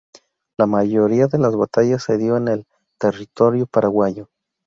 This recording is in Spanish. La Mayoría de las Batallas se dio en el territorio paraguayo.